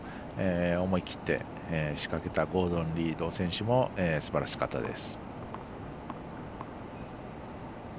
思い切って仕掛けたゴードン・リード選手もすばらしかったです。